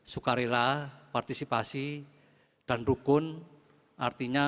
sukarela partisipasi dan rukun artinya